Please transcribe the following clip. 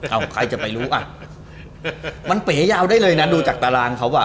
เอาใครจะไปรู้อ่ะมันเป๋ยาวได้เลยนะดูจากตารางเขาอ่ะ